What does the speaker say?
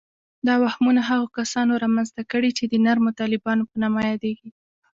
دا وهمونه هغو کسانو رامنځته کړي چې د نرمو طالبانو په نامه یادیږي